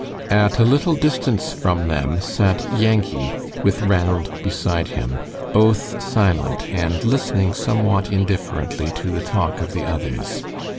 At a little distance from them sat Yankee, with Ranald beside him, both silent and listening somewhat indifferently to the talk of the others.